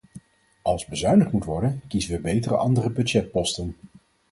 Als bezuinigd moet worden, kiezen we betere andere budgetposten.